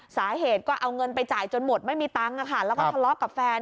สาเหตุก็เอาเงินไปจ่ายจนหมดไม่มีตังค์แล้วก็ทะเลาะกับแฟน